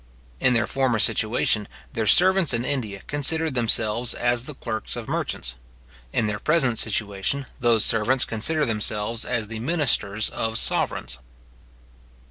In their former situation, their servants in India considered themselves as the clerks of merchants; in their present situation, those servants consider themselves as the ministers of sovereigns.